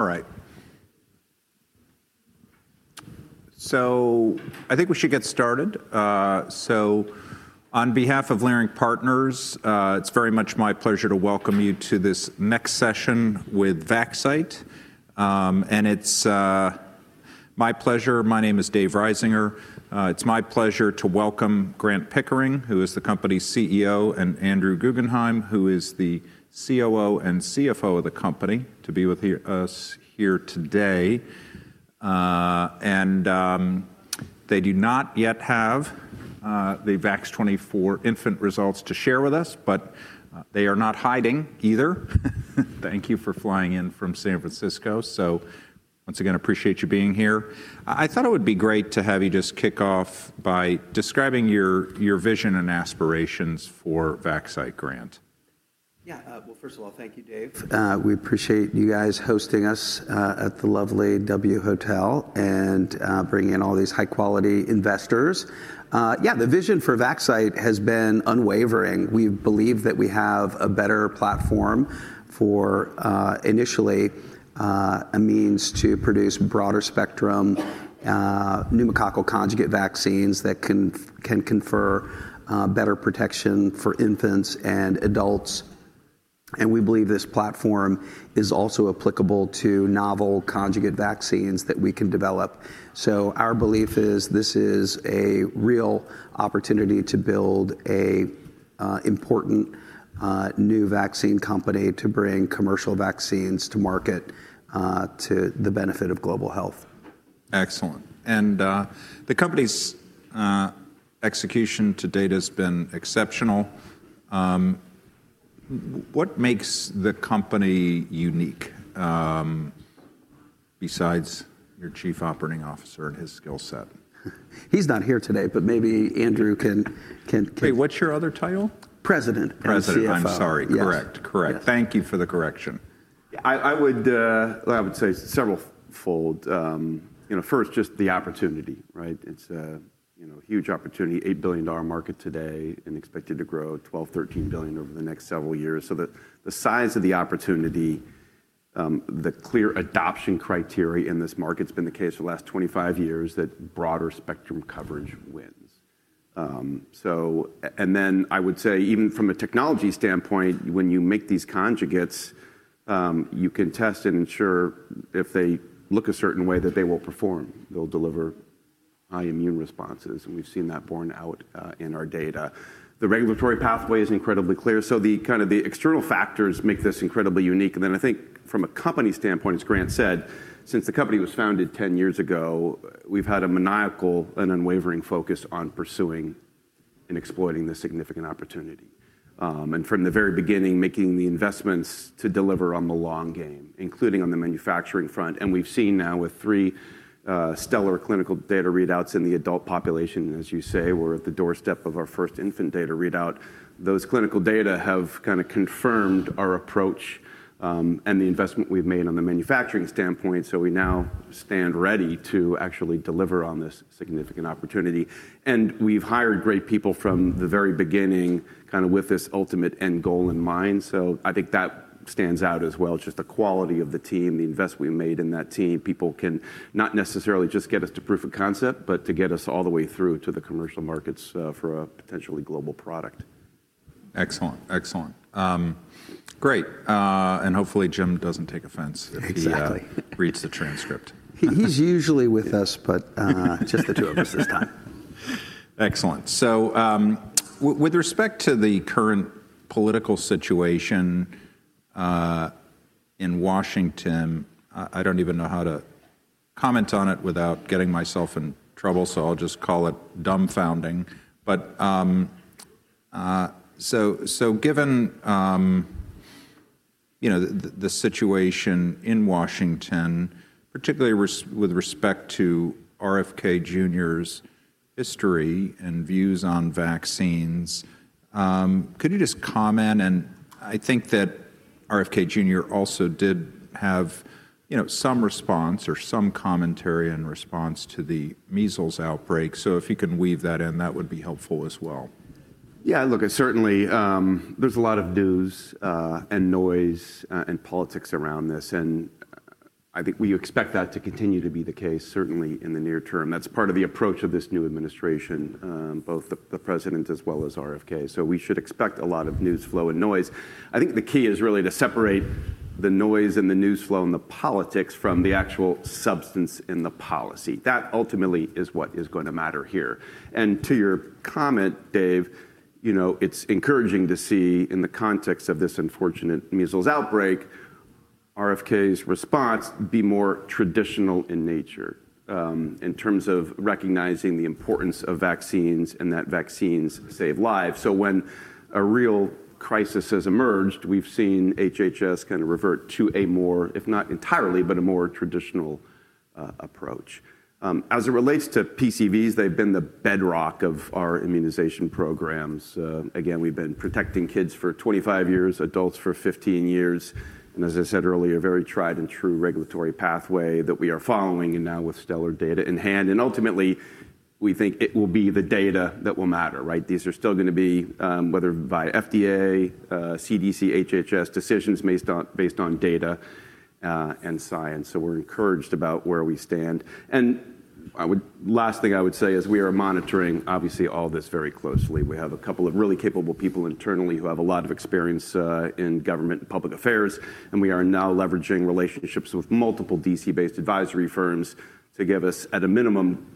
All right. I think we should get started. On behalf of Leerink Partners, it's very much my pleasure to welcome you to this next session with Vaxcyte. It's my pleasure. My name is Dave Risinger. It's my pleasure to welcome Grant Pickering, who is the company's CEO, and Andrew Guggenhime, who is the COO and CFO of the company, to be with us here today. They do not yet have the VAX-24 infant results to share with us, but they are not hiding either. Thank you for flying in from San Francisco. Once again, I appreciate you being here. I thought it would be great to have you just kick off by describing your vision and aspirations for Vaxcyte Grant. Yeah. First of all, thank you, Dave. We appreciate you guys hosting us at the lovely W Hotel and bringing in all these high-quality investors. Yeah, the vision for Vaxcyte has been unwavering. We believe that we have a better platform for initially a means to produce broader spectrum pneumococcal conjugate vaccines that can confer better protection for infants and adults. We believe this platform is also applicable to novel conjugate vaccines that we can develop. Our belief is this is a real opportunity to build an important new vaccine company to bring commercial vaccines to market to the benefit of global health. Excellent. The company's execution to date has been exceptional. What makes the company unique besides your Chief Operating Officer and his skill set? He's not here today, but maybe Andrew can. Wait, what's your other title? President. President, I'm sorry. Correct. Correct. Thank you for the correction. Yeah, I would say several-fold. First, just the opportunity, right? It's a huge opportunity, $8 billion market today, and expected to grow $12 billion-$13 billion over the next several years. The size of the opportunity, the clear adoption criteria in this market has been the case for the last 25 years that broader spectrum coverage wins. I would say, even from a technology standpoint, when you make these conjugates, you can test and ensure if they look a certain way that they will perform. They'll deliver high immune responses. We've seen that borne out in our data. The regulatory pathway is incredibly clear. The kind of external factors make this incredibly unique. I think from a company standpoint, as Grant said, since the company was founded 10 years ago, we've had a maniacal and unwavering focus on pursuing and exploiting this significant opportunity. From the very beginning, making the investments to deliver on the long game, including on the manufacturing front. We've seen now with three stellar clinical data readouts in the adult population, as you say, we're at the doorstep of our first infant data readout. Those clinical data have kind of confirmed our approach and the investment we've made on the manufacturing standpoint. We now stand ready to actually deliver on this significant opportunity. We've hired great people from the very beginning kind of with this ultimate end goal in mind. I think that stands out as well. It's just the quality of the team, the investment we've made in that team. People can not necessarily just get us to proof of concept, but to get us all the way through to the commercial markets for a potentially global product. Excellent. Excellent. Great. Hopefully, Jim doesn't take offense if he reads the transcript. He's usually with us, but just the two of us this time. Excellent. With respect to the current political situation in Washington, I don't even know how to comment on it without getting myself in trouble. I'll just call it dumbfounding. Given the situation in Washington, particularly with respect to RFK Jr.'s history and views on vaccines, could you just comment? I think that RFK Jr. also did have some response or some commentary and response to the measles outbreak. If you can weave that in, that would be helpful as well. Yeah. Look, certainly, there's a lot of news and noise and politics around this. I think we expect that to continue to be the case, certainly in the near-term. That's part of the approach of this new administration, both the president as well as RFK. We should expect a lot of news flow and noise. I think the key is really to separate the noise and the news flow and the politics from the actual substance in the policy. That ultimately is what is going to matter here. To your comment, Dave, it's encouraging to see in the context of this unfortunate measles outbreak, RFK's response be more traditional in nature in terms of recognizing the importance of vaccines and that vaccines save lives. When a real crisis has emerged, we've seen HHS kind of revert to a more, if not entirely, but a more traditional approach. As it relates to PCVs, they've been the bedrock of our immunization programs. Again, we've been protecting kids for 25 years, adults for 15 years. As I said earlier, very tried and true regulatory pathway that we are following and now with stellar data in hand. Ultimately, we think it will be the data that will matter, right? These are still going to be whether by FDA, CDC, HHS decisions based on data and science. We're encouraged about where we stand. The last thing I would say is we are monitoring, obviously, all this very closely. We have a couple of really capable people internally who have a lot of experience in government and public affairs. We are now leveraging relationships with multiple DC-based advisory firms to give us, at a minimum,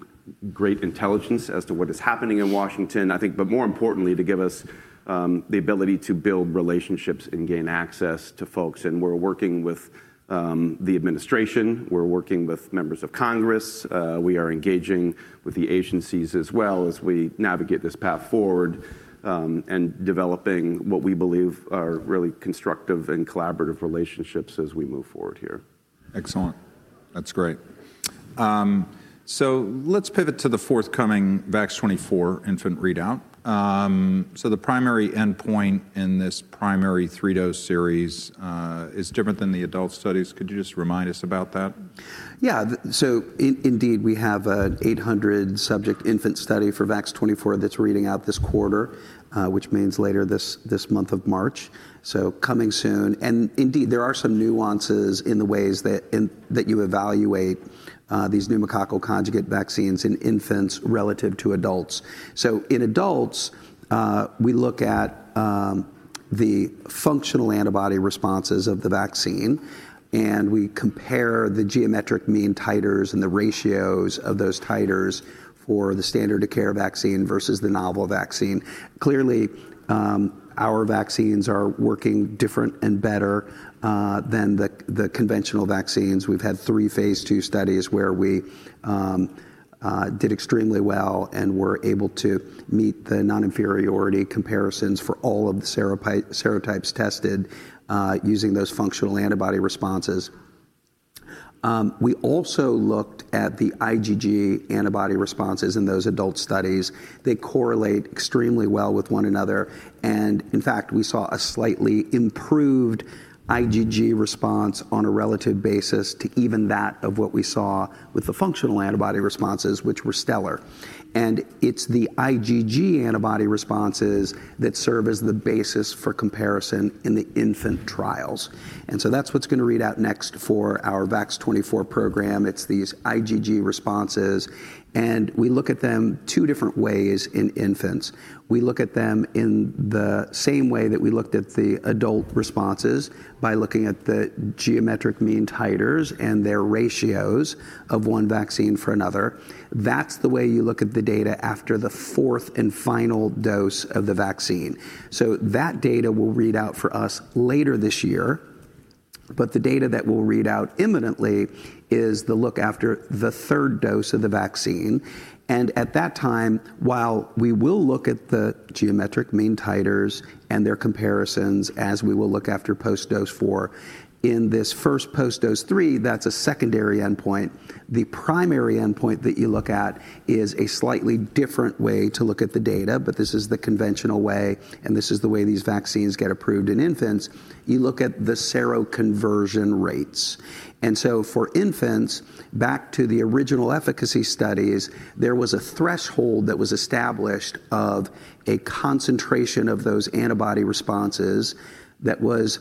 great intelligence as to what is happening in Washington, I think, but more importantly, to give us the ability to build relationships and gain access to folks. We are working with the administration. We are working with members of Congress. We are engaging with the agencies as well as we navigate this path forward and developing what we believe are really constructive and collaborative relationships as we move forward here. Excellent. That's great. Let's pivot to the forthcoming VAX-24 infant readout. The primary endpoint in this primary 3-dose series is different than the adult studies. Could you just remind us about that? Yeah. So indeed, we have an 800-subject infant study for VAX-24 that's reading out this quarter, which means later this month of March. Coming soon. Indeed, there are some nuances in the ways that you evaluate these pneumococcal conjugate vaccines in infants relative to adults. In adults, we look at the functional antibody responses of the vaccine. We compare the geometric mean titers and the ratios of those titers for the standard of care vaccine versus the novel vaccine. Clearly, our vaccines are working different and better than the conventional vaccines. We've had three phase II studies where we did extremely well and were able to meet the non-inferiority comparisons for all of the serotypes tested using those functional antibody responses. We also looked at the IgG antibody responses in those adult studies. They correlate extremely well with one another. In fact, we saw a slightly improved IgG response on a relative basis to even that of what we saw with the functional antibody responses, which were stellar. It is the IgG antibody responses that serve as the basis for comparison in the infant trials. That is what is going to read out next for our VAX-24 program. It is these IgG responses. We look at them two different ways in infants. We look at them in the same way that we looked at the adult responses by looking at the geometric mean titers and their ratios of one vaccine for another. That is the way you look at the data after the fourth and final dose of the vaccine. That data will read out for us later this year. The data that will read out imminently is the look after the third dose of the vaccine. At that time, while we will look at the geometric mean titers and their comparisons as we will look after post-dose four, in this first post-dose three, that's a secondary endpoint. The primary endpoint that you look at is a slightly different way to look at the data. This is the conventional way. This is the way these vaccines get approved in infants. You look at the seroconversion rates. For infants, back to the original efficacy studies, there was a threshold that was established of a concentration of those antibody responses that was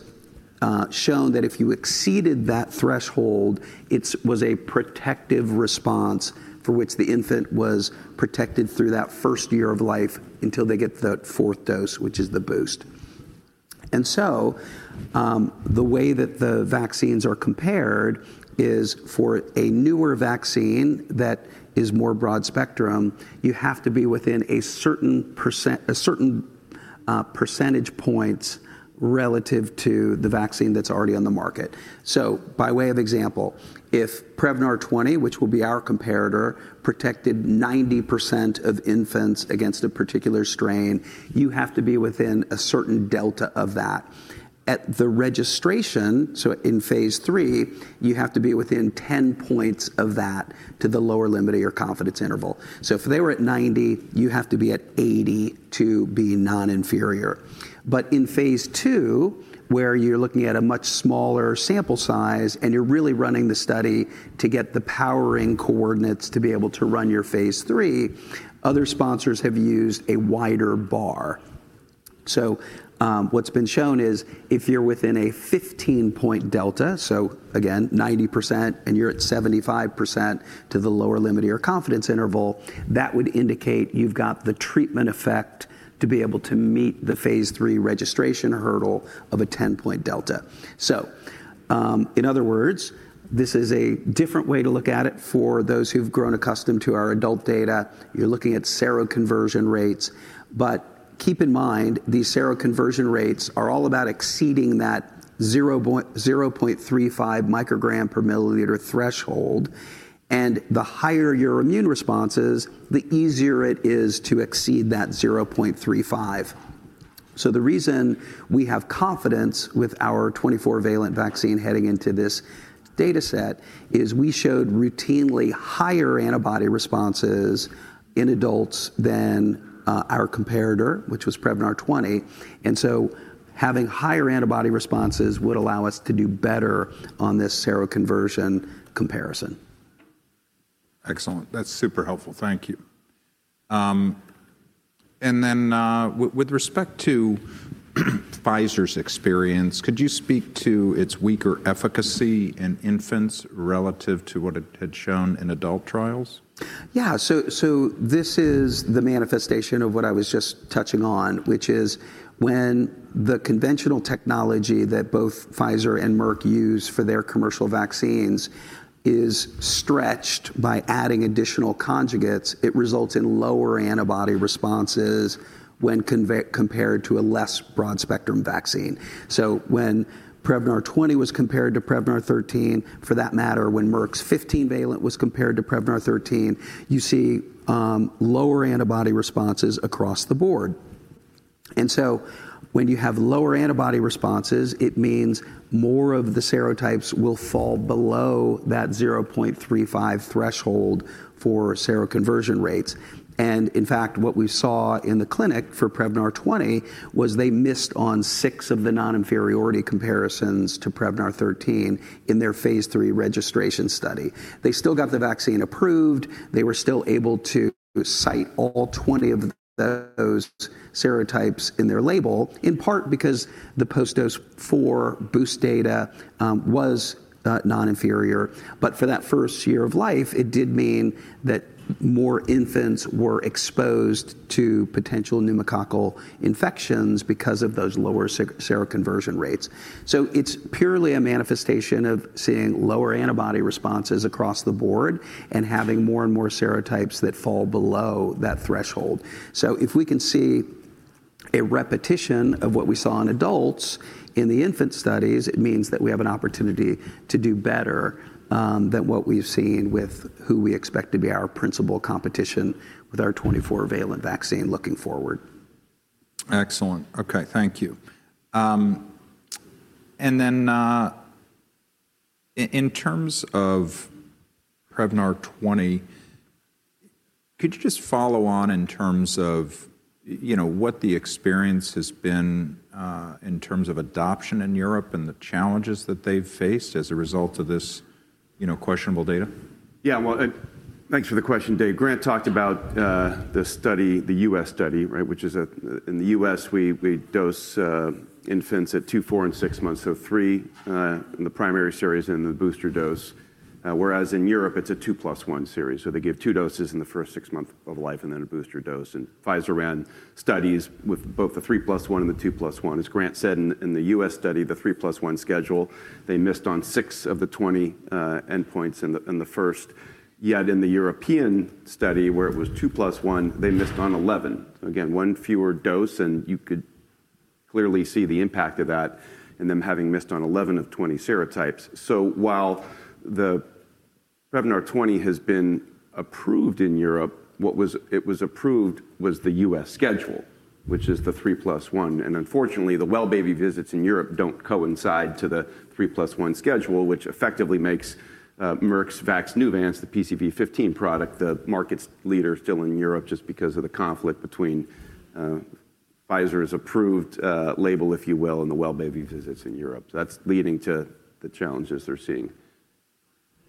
shown that if you exceeded that threshold, it was a protective response for which the infant was protected through that first year of life until they get the 4th-dose, which is the boost. The way that the vaccines are compared is for a newer vaccine that is more broad spectrum, you have to be within a certain percentage points relative to the vaccine that's already on the market. By way of example, if Prevnar 20, which will be our comparator, protected 90% of infants against a particular strain, you have to be within a certain delta of that. At the registration, so in phase III, you have to be within 10 percentage points of that to the lower limit of your confidence interval. If they were at 90, you have to be at 80 to be non-inferior. In phase II, where you're looking at a much smaller sample size and you're really running the study to get the powering coordinates to be able to run your phase III, other sponsors have used a wider bar. What's been shown is if you're within a 15-point delta, so again, 90%, and you're at 75% to the lower limit of your confidence interval, that would indicate you've got the treatment effect to be able to meet the phase III registration hurdle of a 10-point delta. In other words, this is a different way to look at it for those who've grown accustomed to our adult data. You're looking at seroconversion rates. Keep in mind, these seroconversion rates are all about exceeding that 0.35 microgram per milliliter threshold. The higher your immune responses, the easier it is to exceed that 0.35. The reason we have confidence with our 24-valent vaccine heading into this data set is we showed routinely higher antibody responses in adults than our comparator, which was Prevnar 20. Having higher antibody responses would allow us to do better on this seroconversion comparison. Excellent. That's super helpful. Thank you. With respect to Pfizer's experience, could you speak to its weaker efficacy in infants relative to what it had shown in adult trials? Yeah. This is the manifestation of what I was just touching on, which is when the conventional technology that both Pfizer and Merck use for their commercial vaccines is stretched by adding additional conjugates, it results in lower antibody responses when compared to a less broad spectrum vaccine. When Prevnar 20 was compared to Prevnar 13, for that matter, when Merck's 15-valent was compared to Prevnar 13, you see lower antibody responses across the board. When you have lower antibody responses, it means more of the serotypes will fall below that 0.35 threshold for seroconversion rates. In fact, what we saw in the clinic for Prevnar 20 was they missed on six of the non-inferiority comparisons to Prevnar 13 in their phase III registration study. They still got the vaccine approved. They were still able to cite all 20 of those serotypes in their label, in part because the post-dose four boost data was non-inferior. For that first year of life, it did mean that more infants were exposed to potential pneumococcal infections because of those lower seroconversion rates. It is purely a manifestation of seeing lower antibody responses across the board and having more and more serotypes that fall below that threshold. If we can see a repetition of what we saw in adults in the infant studies, it means that we have an opportunity to do better than what we have seen with who we expect to be our principal competition with our 24-valent vaccine looking forward. Excellent. Okay. Thank you. In terms of Prevnar 20, could you just follow on in terms of what the experience has been in terms of adoption in Europe and the challenges that they've faced as a result of this questionable data? Yeah. Thanks for the question, Dave. Grant talked about the study, the U.S. study, right, which is in the U.S., we dose infants at two, four, and six months. Three in the primary series and the booster dose. Whereas in Europe, it's a two plus one series. They give two doses in the first six months of life and then a booster dose. Pfizer ran studies with both the three plus one and the two plus one. As Grant said, in the U.S. study, the three plus one schedule, they missed on six of the 20 endpoints in the first. Yet in the European study, where it was two plus one, they missed on 11. One fewer dose. You could clearly see the impact of that in them having missed on 11 of 20 serotypes. While the Prevnar 20 has been approved in Europe, what was approved was the U.S. schedule, which is the three plus one. Unfortunately, the well-baby visits in Europe do not coincide to the three plus one schedule, which effectively makes Merck's VAXNEUVANCE, the PCV15 product, the market's leader still in Europe just because of the conflict between Pfizer's approved label, if you will, and the well-baby visits in Europe. That is leading to the challenges they are seeing.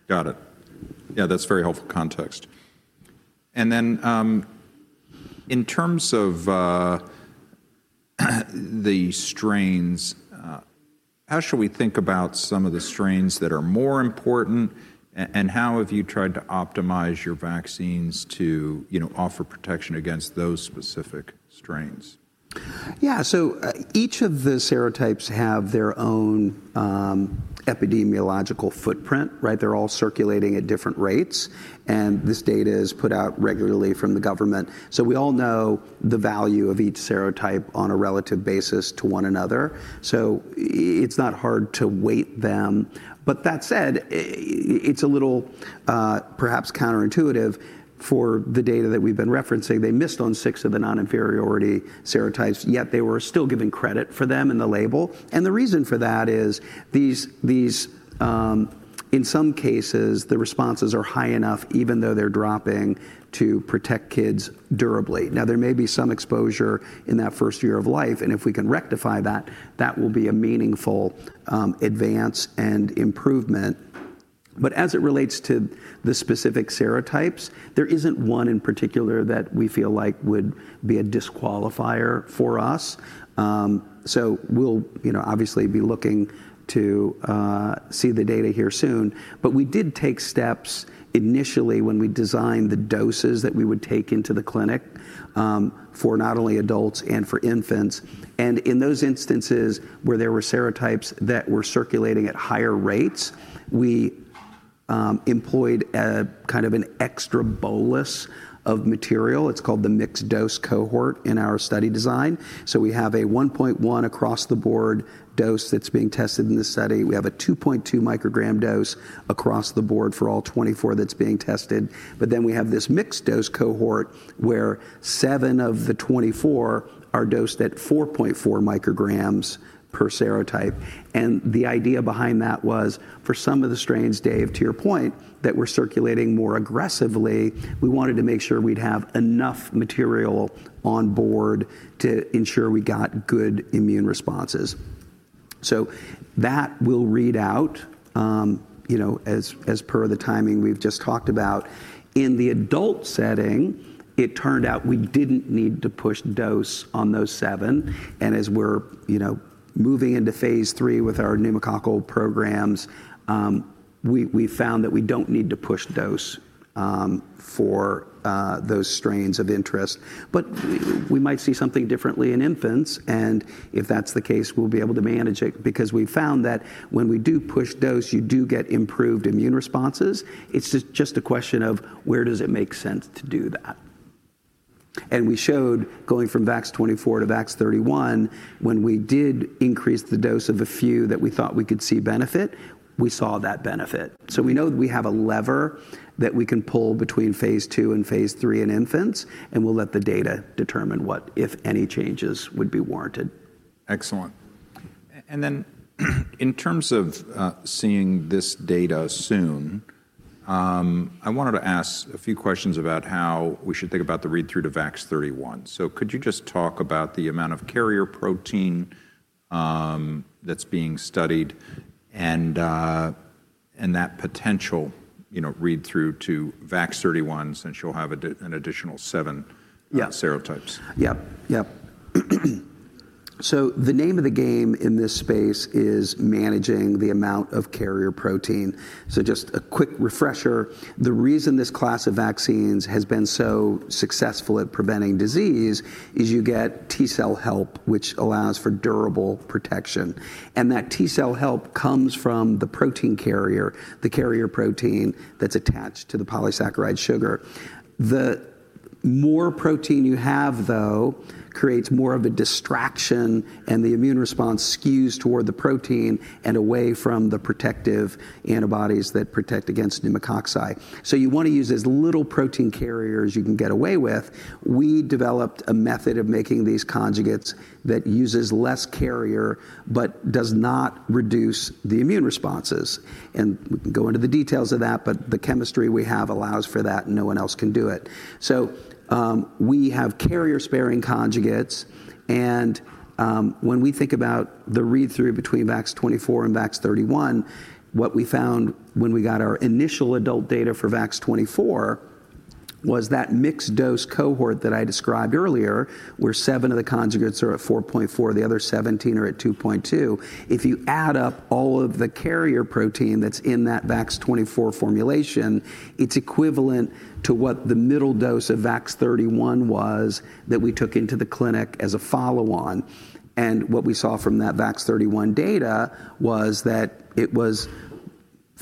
Got it. Yeah. That's very helpful context. In terms of the strains, how should we think about some of the strains that are more important? How have you tried to optimize your vaccines to offer protection against those specific strains? Yeah. Each of the serotypes have their own epidemiological footprint, right? They're all circulating at different rates. This data is put out regularly from the government. We all know the value of each serotype on a relative basis to one another. It's not hard to weight them. That said, it's a little perhaps counterintuitive for the data that we've been referencing. They missed on six of the non-inferiority serotypes, yet they were still given credit for them in the label. The reason for that is in some cases, the responses are high enough, even though they're dropping, to protect kids durably. There may be some exposure in that first year of life. If we can rectify that, that will be a meaningful advance and improvement. As it relates to the specific serotypes, there isn't one in particular that we feel like would be a disqualifier for us. We will obviously be looking to see the data here soon. We did take steps initially when we designed the doses that we would take into the clinic for not only adults and for infants. In those instances where there were serotypes that were circulating at higher rates, we employed kind of an extra bolus of material. It's called the mixed dose cohort in our study design. We have a 1.1 microgram across the board dose that's being tested in the study. We have a 2.2 microgram dose across the board for all 24 that's being tested. Then we have this mixed dose cohort where seven of the 24 are dosed at 4.4 micrograms per serotype. The idea behind that was for some of the strains, Dave, to your point, that were circulating more aggressively, we wanted to make sure we'd have enough material on board to ensure we got good immune responses. That will read out as per the timing we've just talked about. In the adult setting, it turned out we didn't need to push dose on those seven. As we're moving into phase III with our pneumococcal programs, we found that we don't need to push dose for those strains of interest. We might see something differently in infants. If that's the case, we'll be able to manage it because we've found that when we do push dose, you do get improved immune responses. It's just a question of where does it make sense to do that. We showed going from VAX-24 to VAX-31, when we did increase the dose of a few that we thought we could see benefit, we saw that benefit. We know that we have a lever that we can pull between phase II and phase III in infants. We will let the data determine what, if any, changes would be warranted. Excellent. In terms of seeing this data soon, I wanted to ask a few questions about how we should think about the read-through to VAX-31. Could you just talk about the amount of carrier protein that's being studied and that potential read-through to VAX-31 since you'll have an additional seven serotypes? Yep. Yep. Yep. The name of the game in this space is managing the amount of carrier protein. Just a quick refresher, the reason this class of vaccines has been so successful at preventing disease is you get T cell help, which allows for durable protection. That T cell help comes from the protein carrier, the carrier protein that's attached to the polysaccharide sugar. The more protein you have, though, creates more of a distraction. The immune response skews toward the protein and away from the protective antibodies that protect against pneumococci. You want to use as little protein carrier as you can get away with. We developed a method of making these conjugates that uses less carrier but does not reduce the immune responses. We can go into the details of that, but the chemistry we have allows for that, and no one else can do it. We have carrier-sparing conjugates. When we think about the read-through between VAX-24 and VAX-31, what we found when we got our initial adult data for VAX-24 was that mixed dose cohort that I described earlier, where seven of the conjugates are at 4.4 micrograms, the other 17 are at 2.2 micrograms. If you add up all of the carrier protein that is in that VAX-24 formulation, it is equivalent to what the middle dose of VAX-31 was that we took into the clinic as a follow-on. What we saw from that VAX-31 data was that it was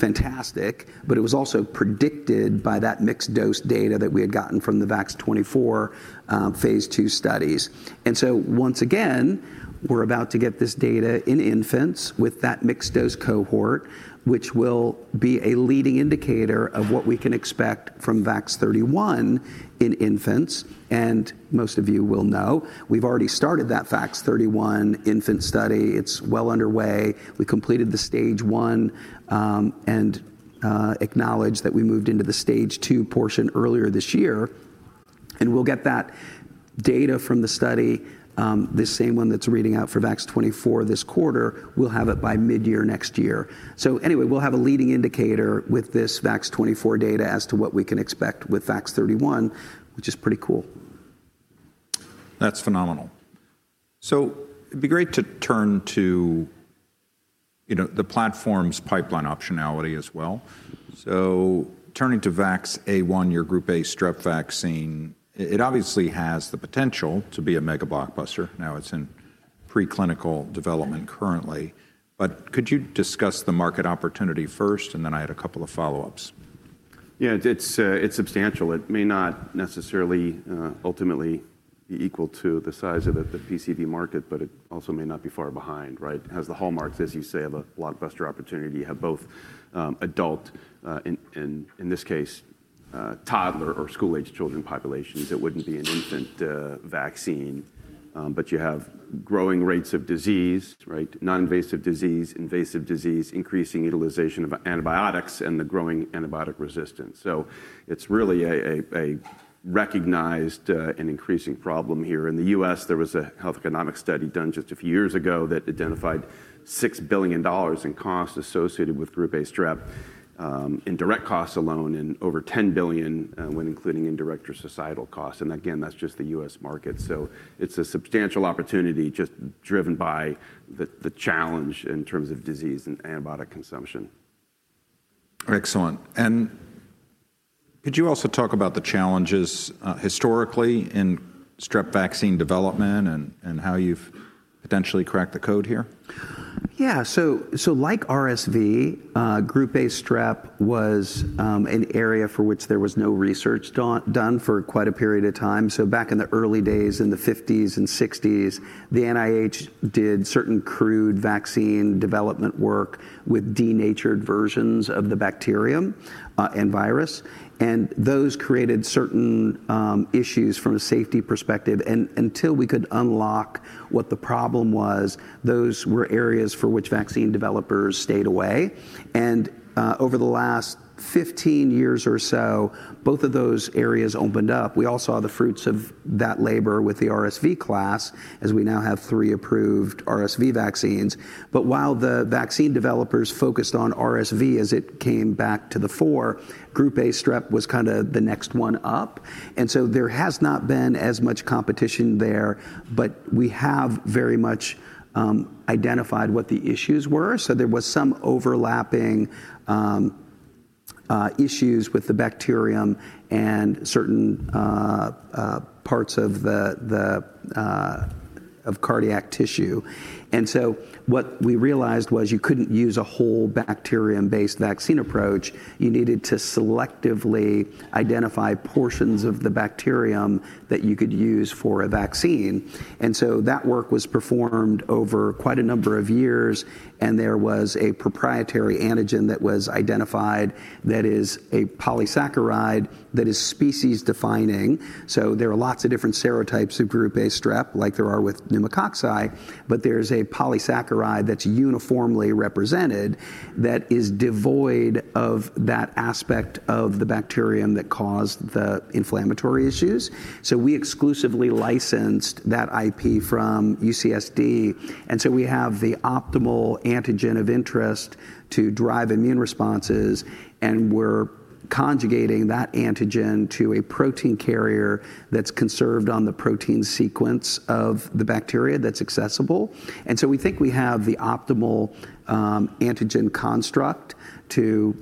fantastic, but it was also predicted by that mixed dose data that we had gotten from the VAX-24 phase II studies. Once again, we're about to get this data in infants with that mixed dose cohort, which will be a leading indicator of what we can expect from VAX-31 in infants. Most of you will know we've already started that VAX-31 infant study. It's well underway. We completed the stage one and acknowledged that we moved into the stage two portion earlier this year. We'll get that data from the study, this same one that's reading out for VAX-24 this quarter. We'll have it by mid-year next year. Anyway, we'll have a leading indicator with this VAX-24 data as to what we can expect with VAX-31, which is pretty cool. That's phenomenal. It would be great to turn to the platform's pipeline optionality as well. Turning to VAX-A1, your Group A Strep vaccine, it obviously has the potential to be a mega blockbuster. Now it's in preclinical development currently. Could you discuss the market opportunity first, and then I had a couple of follow-ups? Yeah. It's substantial. It may not necessarily ultimately be equal to the size of the PCV market, but it also may not be far behind, right? It has the hallmarks, as you say, of a blockbuster opportunity. You have both adult, and in this case, toddler or school-aged children populations. It wouldn't be an infant vaccine. You have growing rates of disease, right? Non-invasive disease, invasive disease, increasing utilization of antibiotics, and the growing antibiotic resistance. It's really a recognized and increasing problem here. In the U.S., there was a health economic study done just a few years ago that identified $6 billion in costs associated with Group A Strep in direct costs alone and over $10 billion when including indirect or societal costs. Again, that's just the U.S. market. It's a substantial opportunity just driven by the challenge in terms of disease and antibiotic consumption. Excellent. Could you also talk about the challenges historically in strep vaccine development and how you've potentially cracked the code here? Yeah. Like RSV, Group A Strep was an area for which there was no research done for quite a period of time. Back in the early days in the 1950s and 1960s, the NIH did certain crude vaccine development work with denatured versions of the bacterium and virus. Those created certain issues from a safety perspective. Until we could unlock what the problem was, those were areas for which vaccine developers stayed away. Over the last 15 years or so, both of those areas opened up. We all saw the fruits of that labor with the RSV class, as we now have three approved RSV vaccines. While the vaccine developers focused on RSV as it came back to the fore, Group A Strep was kind of the next one up. There has not been as much competition there, but we have very much identified what the issues were. There were some overlapping issues with the bacterium and certain parts of cardiac tissue. What we realized was you could not use a whole bacterium-based vaccine approach. You needed to selectively identify portions of the bacterium that you could use for a vaccine. That work was performed over quite a number of years. There was a proprietary antigen that was identified that is a polysaccharide that is species defining. There are lots of different serotypes of Group A Strep, like there are with pneumococci. There is a polysaccharide that is uniformly represented that is devoid of that aspect of the bacterium that caused the inflammatory issues. We exclusively licensed that IP from UCSD. We have the optimal antigen of interest to drive immune responses. We're conjugating that antigen to a protein carrier that's conserved on the protein sequence of the bacteria that's accessible. We think we have the optimal antigen construct to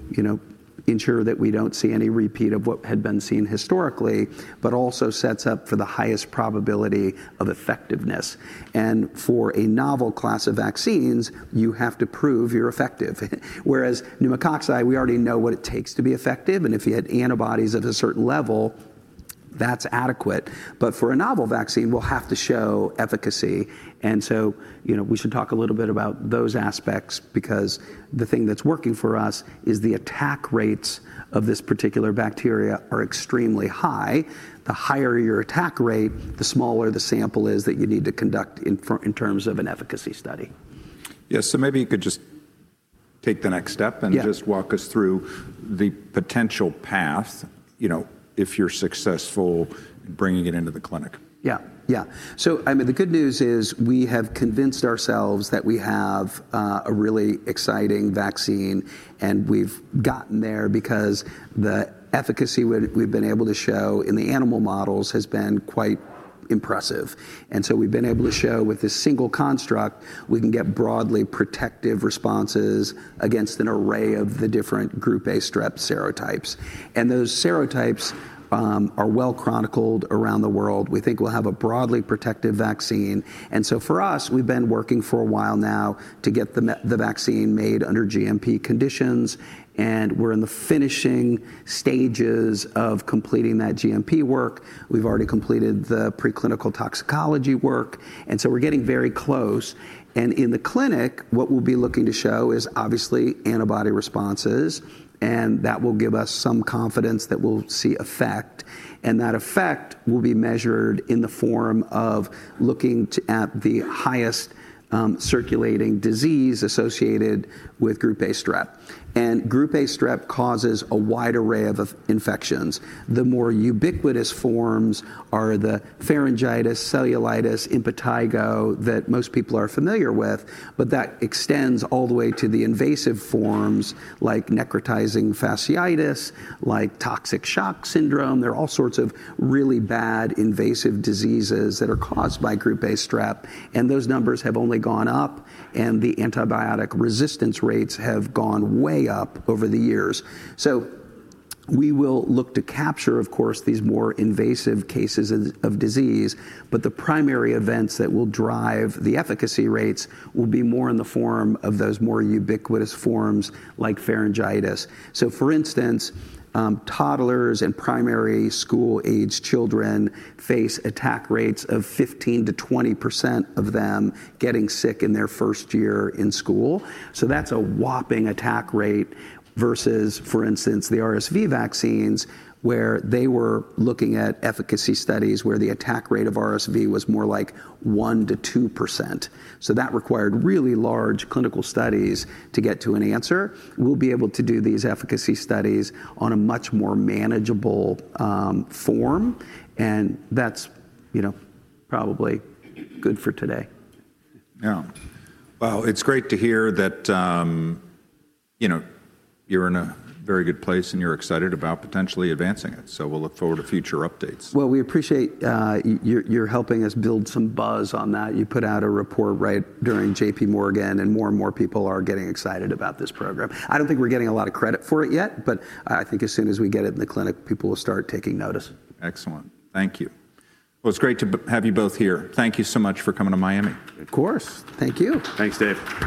ensure that we don't see any repeat of what had been seen historically, but also sets up for the highest probability of effectiveness. For a novel class of vaccines, you have to prove you're effective. Whereas pneumococci, we already know what it takes to be effective. If you had antibodies at a certain level, that's adequate. For a novel vaccine, we'll have to show efficacy. We should talk a little bit about those aspects because the thing that's working for us is the attack rates of this particular bacteria are extremely high. The higher your attack rate, the smaller the sample is that you need to conduct in terms of an efficacy study. Yeah. Maybe you could just take the next step and just walk us through the potential path if you're successful in bringing it into the clinic. Yeah. Yeah. I mean, the good news is we have convinced ourselves that we have a really exciting vaccine. We've gotten there because the efficacy we've been able to show in the animal models has been quite impressive. We've been able to show with this single construct, we can get broadly protective responses against an array of the different Group A Strep serotypes. Those serotypes are well chronicled around the world. We think we'll have a broadly protective vaccine. For us, we've been working for a while now to get the vaccine made under GMP conditions. We're in the finishing stages of completing that GMP work. We've already completed the preclinical toxicology work. We're getting very close. In the clinic, what we'll be looking to show is obviously antibody responses. That will give us some confidence that we'll see effect. That effect will be measured in the form of looking at the highest circulating disease associated with Group A Strep. Group A Strep causes a wide array of infections. The more ubiquitous forms are the pharyngitis, cellulitis, impetigo that most people are familiar with. That extends all the way to the invasive forms like necrotizing fasciitis, like toxic shock syndrome. There are all sorts of really bad invasive diseases that are caused by Group A Strep. Those numbers have only gone up. The antibiotic resistance rates have gone way up over the years. We will look to capture, of course, these more invasive cases of disease. The primary events that will drive the efficacy rates will be more in the form of those more ubiquitous forms like pharyngitis. For instance, toddlers and primary school-aged children face attack rates of 15%-20% of them getting sick in their first year in school. That's a whopping attack rate versus, for instance, the RSV vaccines, where they were looking at efficacy studies where the attack rate of RSV was more like 1%-2%. That required really large clinical studies to get to an answer. We'll be able to do these efficacy studies on a much more manageable form. That's probably good for today. Yeah. It is great to hear that you're in a very good place and you're excited about potentially advancing it. We will look forward to future updates. We appreciate you're helping us build some buzz on that. You put out a report right during JPMorgan. And more and more people are getting excited about this program. I don't think we're getting a lot of credit for it yet. I think as soon as we get it in the clinic, people will start taking notice. Excellent. Thank you. It is great to have you both here. Thank you so much for coming to Miami. Of course. Thank you. Thanks, Dave.